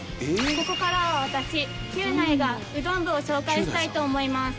ここからは私久内がうどん部を紹介したいと思います。